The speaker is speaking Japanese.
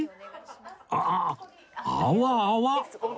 ああ泡泡！